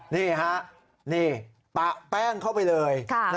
นี่ฮะนี่ปะแป้งเข้าไปเลย